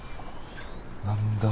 何だ？